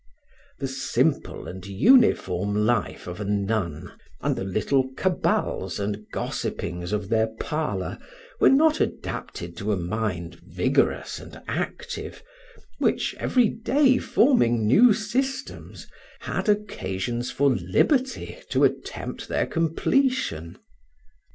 The simple and uniform life of a nun, and the little cabals and gossipings of their parlor, were not adapted to a mind vigorous and active, which, every day forming new systems, had occasions for liberty to attempt their completion.